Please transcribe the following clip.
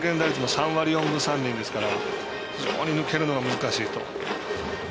３割４分３厘ですから非常に抜けるのが難しい。